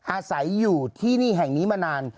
อาศัยอยู่ที่นี่แห่งนี้มานาน